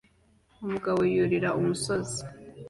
Umugabo yurira umusozi